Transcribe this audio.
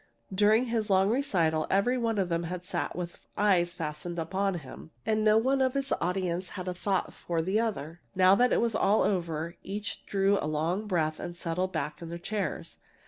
During his long recital every one had sat with eyes fastened upon him, and no one of his audience had a thought for the other. Now that it was over they each drew a long breath and settled back in their chairs.